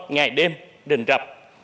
ngày đêm đình rập